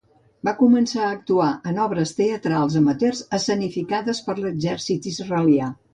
Va començar a actuar en obres teatrals amateurs escenificades per l'exèrcit israelià.